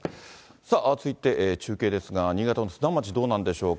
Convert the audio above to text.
さあ続いて、中継ですが、新潟の津南町、どうなんでしょうか。